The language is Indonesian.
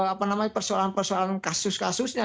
apa namanya persoalan persoalan kasus kasusnya